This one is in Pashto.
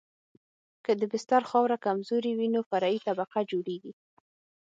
که د بستر خاوره کمزورې وي نو فرعي طبقه جوړیږي